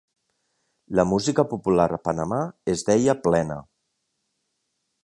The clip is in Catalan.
La música popular a Panamà es deia plena.